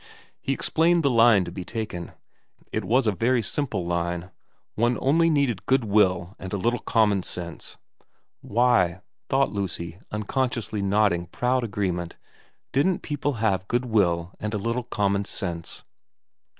He explained the line to be taken. It was a very simple line. One only needed goodwill and a little common sense. Why, thought Lucy, unconsciously n VERA 115 nodding proud agreement, didn't people have goodwill and a little common sense